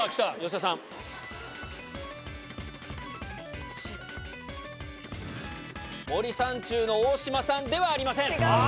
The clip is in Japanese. ピンポン森三中の大島さんではありません。